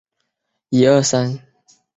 工厂也扩建了几次。